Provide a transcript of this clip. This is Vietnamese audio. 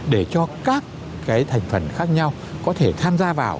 để cho các cái thành phần khác nhau có thể tham gia vào